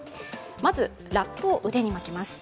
まず、ラップを腕に巻きます。